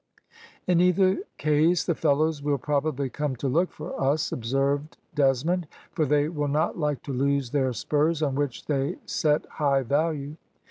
"`In either case the fellows will probably come to look for us,' observed Desmond, `for they will not like to lose their spurs, on which they set high value.'